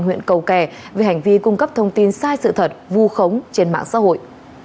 huyện cầu kè vì hành vi cung cấp thông tin sai sự thật vu khống trên mạng xã hội